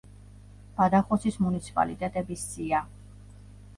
ბადახოსის მუნიციპალიტეტების სია.